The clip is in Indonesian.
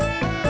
aku mau lingkar